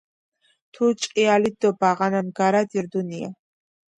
თუ ჭყიალით დო ბაღანა ნგარათ ირდუნია.